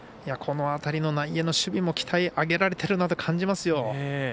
この辺りの内野の守備も鍛え上げられてるなと感じますよ。